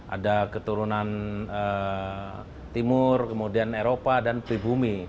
ada keturunan timur kemudian eropa dan pribumi